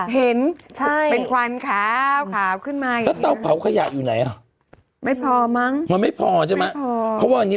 เห็นเป็นควันขาวขาวขึ้นมาอย่างนี้